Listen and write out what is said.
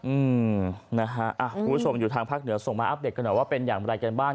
อืมนะฮะคุณผู้ชมอยู่ทางภาคเหนือส่งมาอัปเดตกันหน่อยว่าเป็นอย่างไรกันบ้าง